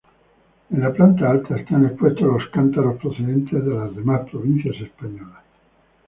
En la planta alta están expuestos los cántaros procedentes de las demás provincias españolas.